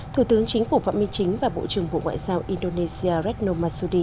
thủ tướng chính phủ phạm minh chính và bộ trưởng bộ ngoại giao indonesia retno masudi